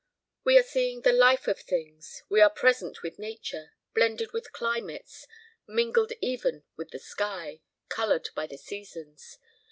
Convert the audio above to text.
We are seeing the life of things, we are present with Nature, blended with climates, mingled even with the sky, colored by the seasons.